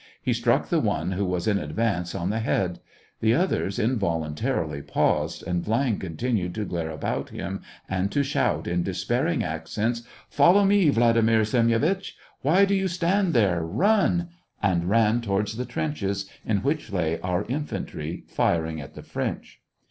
He struck the one who was in advance, on the head ; the SEVASTOPOL IN AUGUST. 255 others involuntarily paused, and Viang continued to glare about him, and to shout in despairing accents :" Follow me, Vladimir Semyonitch ! Why do you stand there ? Run !" and ran to wards the trenches in which lay our infantry, fir ing at the French.